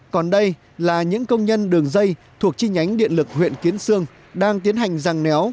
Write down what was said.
còn đây là những công nhân đường dây thuộc chi nhánh điện lực huyện kiến sương đang tiến hành ràng néo